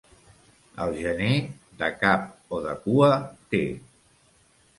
El gener, de cap o de cua té.